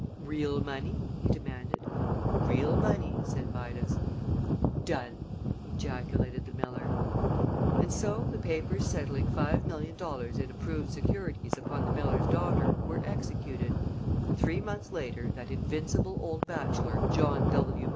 "Real money?" he demanded. "Real money," said Midas. "Done!" ejaculated the miller. And so the papers settling five million dollars in approved securities upon the miller's daughter were executed, and three months later that invincible old bachelor, John W.